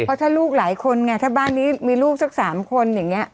เพราะถ้าลูกหลายคนไงถ้าบ้านนี้มีลูกสัก๓คนอย่างนี้